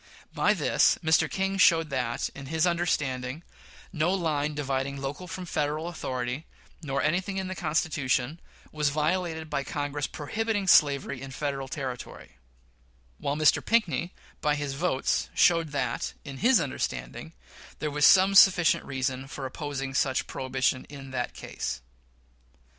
By this, Mr. King showed that, in his understanding, no line dividing local from Federal authority, nor anything in the Constitution, was violated by Congress prohibiting slavery in Federal territory; while Mr. Pinckney, by his vote, showed that in his understanding there was some sufficient reason for opposing such prohibition in that case.